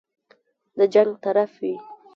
د جنګ طرف وي.